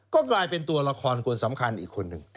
ก็กลายเป็นตัวละครคนสำคัญอีกคนหนึ่ง